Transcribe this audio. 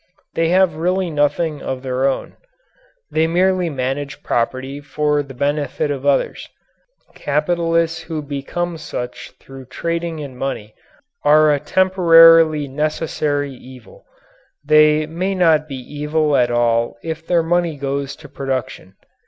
They have really nothing of their own. They merely manage property for the benefit of others. Capitalists who become such through trading in money are a temporarily necessary evil. They may not be evil at all if their money goes to production.